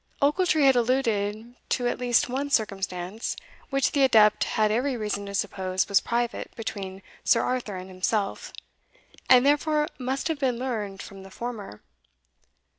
Ochiltree had alluded to at least one circumstance which the adept had every reason to suppose was private between Sir Arthur and himself, and therefore must have been learned from the former.